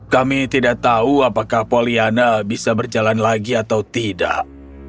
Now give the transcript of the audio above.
kami tidak tahu apakah poliana bisa berjalan lagi atau tidak